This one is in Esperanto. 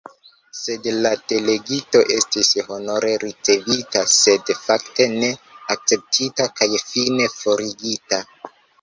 Sed la delegito estis honore ricevita sed, fakte, ne akceptita kaj fine forigita!